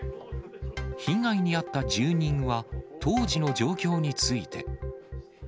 被害に遭った住人は、当時の状況について。